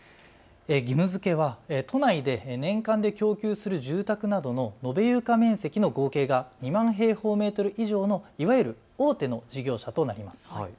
義務づけは都内で年間で供給する住宅などの延べ床面積の合計が２万平方メートル以上のいわゆる大手の事業者が対象です。